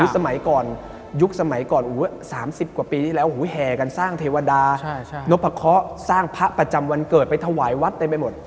สมัยก่อนยุคสมัยก่อน๓๐กว่าปีที่แล้วแห่กันสร้างเทวดานพะเคาะสร้างพระประจำวันเกิดไปถวายวัดเต็มไปหมด